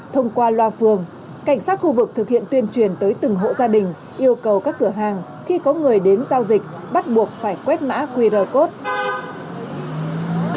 thông qua loa phường cảnh sát khu vực thực hiện tuyên truyền tới từng hộ gia đình yêu cầu các cửa hàng khi có người đến giao dịch bắt buộc phải quét mã qr code